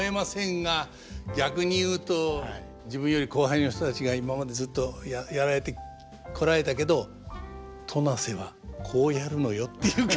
逆に言うと自分より後輩の人たちが今までずっとやられてこられたけど「戸無瀬はこうやるのよ」っていう感じですね。